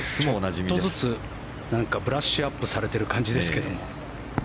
ちょっとずつブラッシュアップされてる感じですけども。